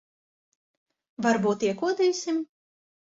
Varbūt iekodīsim?